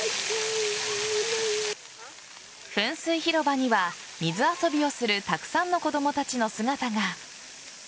噴水広場には水遊びをするたくさんの子供たちの姿が。